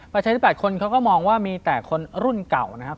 ประชาธิบัตย์คนเขาก็มองว่ามีแต่คนรุ่นเก่านะครับ